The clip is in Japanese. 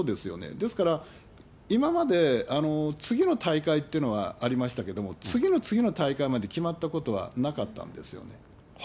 ですから、今まで、次の大会ってのはありましたけども、次の次の大会まで決まったことはなかったんですよね。